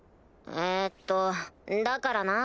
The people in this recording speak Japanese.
えっとだからな。